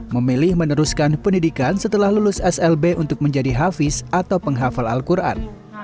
memilih meneruskan pendidikan setelah lulus slb untuk menjadi hafiz atau penghafal al quran